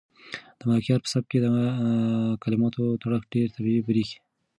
د ملکیار په سبک کې د کلماتو تړښت ډېر طبیعي برېښي.